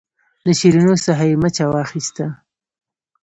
د شیرینو څخه یې مچه واخیسته.